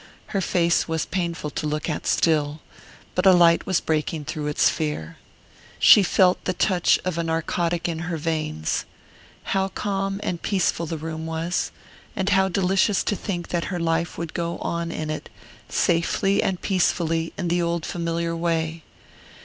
Her face was painful to look at still but a light was breaking through its fear. She felt the touch of a narcotic in her veins. How calm and peaceful the room was and how delicious to think that her life would go on in it, safely and peacefully, in the old familiar way!